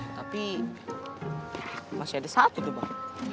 tapi masih ada satu tuh pak